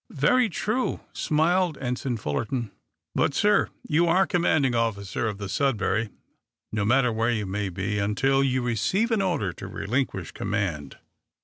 "Very true," smiled Ensign Fullerton. "But, sir, you are commanding officer of the 'Sudbury,' no matter where you may be, until you receive an order to relinquish command.